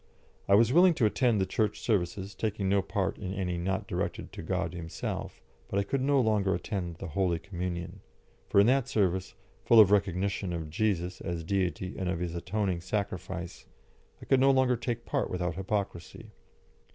I was willing to attend the Church services, taking no part in any not directed to God Himself, but I could no longer attend the Holy Communion, for in that service, full of recognition of Jesus as Deity and of His atoning sacrifice, I could no longer take part without hypocrisy.